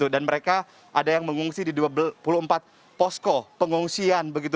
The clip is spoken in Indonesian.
dan mereka ada yang mengungsi di dua puluh empat posko pengungsian